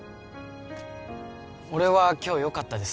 俺は今日よかったです。